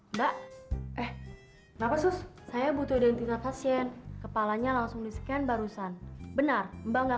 mbak eh kenapa sus saya butuh identitas pasien kepalanya langsung disken barusan benar mbak nggak